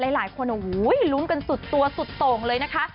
หลายคนโอ้โหลุ้นกันสุดตัวสุดโต่งเลยนะคะ